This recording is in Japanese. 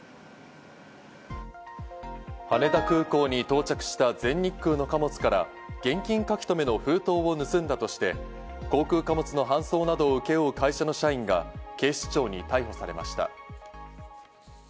羽田空港に到着した全日空の貨物から現金書留の封筒を盗んだとして、航空貨物の搬送などを請け負う会社の社員が警視庁に逮捕されました。